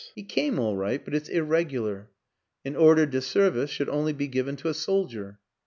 He came all right, but it's ir regular an ordre de service should only be given to a soldier.